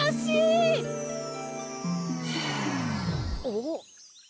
おっ？